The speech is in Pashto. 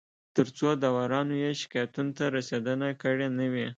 تر څو داورانو یې شکایتونو ته رسېدنه کړې نه وي